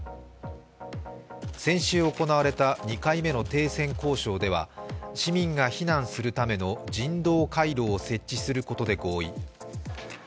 先週行われた２回目の停戦交渉では市民が避難するための人道回廊を設置することで合意。